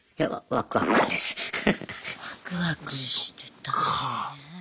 ワクワクしてたのね。